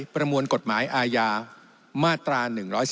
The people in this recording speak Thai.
ประมวลกฎหมายอาญามาตรา๑๔